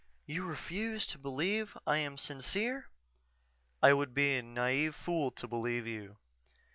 "You refuse to believe I am sincere?" "I would be a naive fool to believe you."